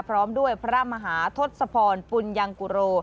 พร้อมด้วยพระมหาธตปนปุญางกุโร